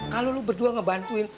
kalo lu berdua ngebantuin